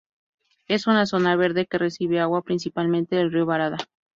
Es una zona verde que recibe agua principalmente del río Barada.